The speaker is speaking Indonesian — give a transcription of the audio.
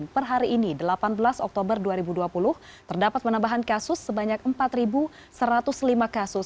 per hari ini delapan belas oktober dua ribu dua puluh terdapat penambahan kasus sebanyak empat satu ratus lima kasus